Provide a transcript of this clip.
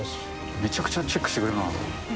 めちゃくちゃチェックしてくれるな。